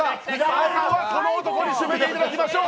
最後はこの男に締めていただきましょう。